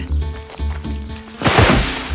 ini akan menjadi perhitungan